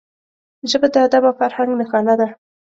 ژبه د ادب او فرهنګ نښانه ده